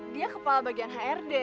dia kepal bagian hrd